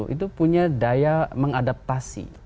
itu punya daya mengadaptasi